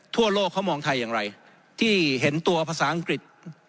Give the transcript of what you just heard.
ทั่วโลกเขามองไทยอย่างไรที่เห็นตัวภาษาอังกฤษ